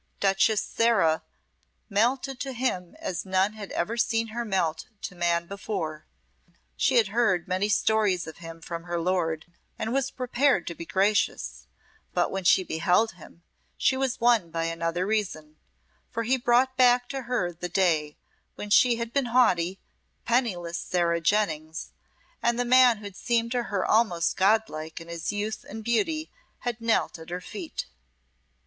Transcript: Duchess Sarah melted to him as none had ever seen her melt to man before. She had heard many stories of him from her lord, and was prepared to be gracious, but when she beheld him, she was won by another reason, for he brought back to her the day when she had been haughty, penniless Sarah Jennings, and the man who seemed to her almost godlike in his youth and beauty had knelt at her feet.